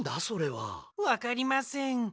それは。わかりません。